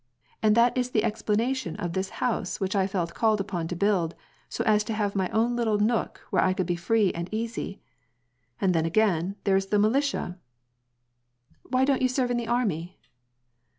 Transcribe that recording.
And that is the explanation of tliis house which I felt called upon to build, so as to have my own little nook where I could be free and easy. And then again, there is the militia "—" Why don't you serve in the army